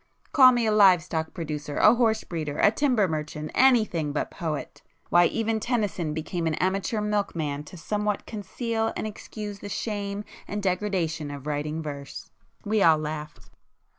Call me a live stock producer, a horse breeder, a timber merchant,—anything but a poet! Why even Tennyson became an amateur milkman to somewhat conceal and excuse the shame and degradation of writing verse!" We all laughed.